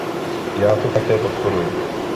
Já to také podporuji.